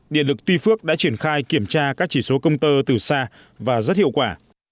điện lực tuy phước đã triển khai kiểm tra các chỉ số công tơ từ xa và rất hiệu quả